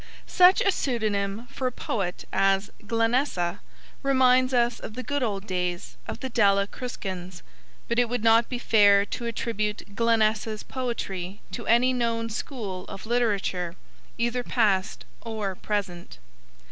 Such a pseudonym for a poet as 'Glenessa' reminds us of the good old days of the Della Cruscans, but it would not be fair to attribute Glenessa's poetry to any known school of literature, either past or present.